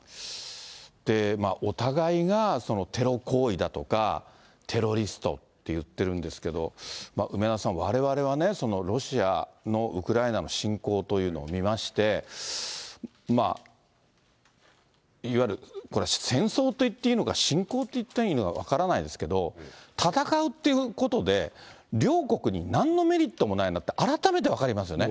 お互いがテロ行為だとか、テロリストって言ってるんですけど、梅沢さん、われわれはね、ロシアのウクライナの侵攻というのを見まして、まあ、いわゆる、これは戦争と言っていいのか、侵攻って言っていいのか分からないんですけど、戦うってことで、両国になんのメリットもないなって、改めて分かりますよね。